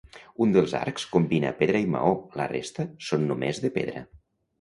Un dels arcs combina pedra i maó, la resta són només de pedra.